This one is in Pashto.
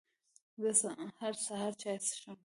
زه هر سهار چای څښم